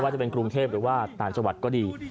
จะเป็นกรุงเทพหรือว่าต่างจังหวัดก็ดี